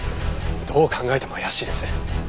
どう考えても怪しいです。